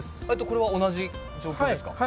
これは同じ状況ですか？